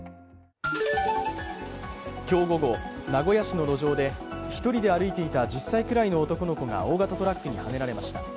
今日午後、名古屋市の路上で１人で歩いていた１０歳くらいの男の子が大型トラックにはねられました。